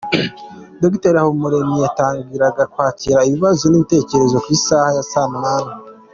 Dr Habumuremyi yatangiraga kwakira ibibazo n’ibitekerezo ku isaha ya saa munani.